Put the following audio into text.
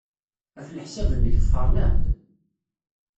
Ɣef leḥsab-nnek, ḍefren-aɣ-d?